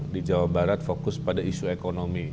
di jawa barat fokus pada isu ekonomi